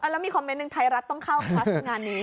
แล้วมีคอมเมนต์หนึ่งไทยรัฐต้องเข้าคลัสงานนี้